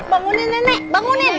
bangunin nenek bangunin